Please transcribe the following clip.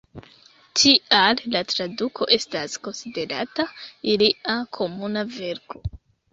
Tial la traduko estas konsiderata ilia komuna verko.